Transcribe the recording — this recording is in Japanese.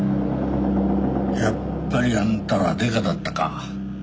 やっぱりあんたらデカだったか。